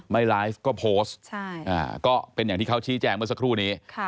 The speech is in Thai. ไม่ไลฟ์ก็โพสต์ก็เป็นอย่างที่เขาชี้แจงเมื่อสักครู่นี้